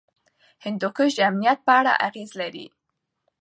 هندوکش د امنیت په اړه اغېز لري.